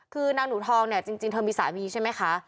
คือนางหนูทองเนี่ยจริงเธอมีสามีใช่ไหมคะ